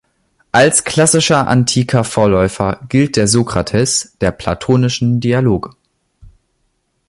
Als klassischer antiker Vorläufer gilt der Sokrates der platonischen Dialoge.